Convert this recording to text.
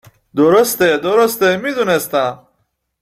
درسته درسته .می دونستم